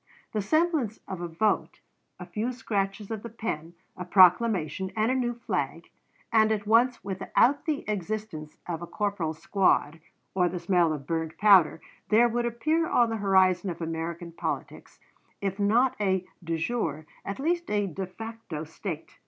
The semblance of a vote, a few scratches of the pen, a proclamation, and a new flag, and at once without the existence of a corporal's squad, or the smell of burnt powder, there would appear on the horizon of American politics, if not a de jure at least a de facto State!